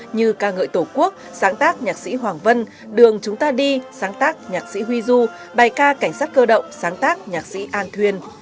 như ca ngợi tổ quốc sáng tác nhạc sĩ hoàng vân đường chúng ta đi sáng tác nhạc sĩ huy du bài ca cảnh sát cơ động sáng tác nhạc sĩ an thuyền